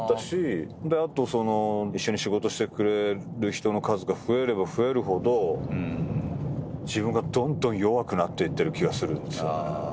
あと一緒に仕事してくれる人の数が増えれば増えるほど自分がどんどん弱くなっていってる気がするんですよ。